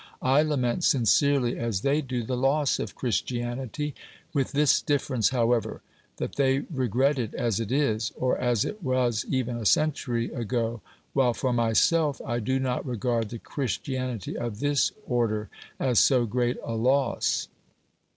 I lament sincerely, as they do, the loss of Christianity, with this difference however, that they regret it as it is, or as it was even a century ago, while for myself I do not regard the Christianity of this order as so great a loss.